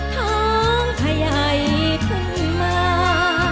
ท้องขยายขึ้นมา